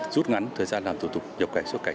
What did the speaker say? rút ngắn thời gian làm thủ tục nhập cảnh xuất cảnh